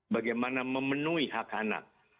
bagaimana memenuhi hak anak